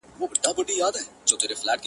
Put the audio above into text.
کاروان تېرېږي، سپي غپېږي.